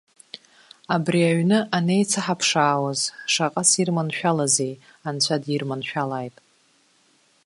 Абри аҩны анеицаҳаԥшаауаз, шаҟа сирманшәалазеи, анцәа дирманшәалааит.